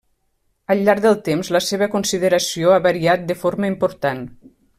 Al llarg del temps la seva consideració ha variat de forma important.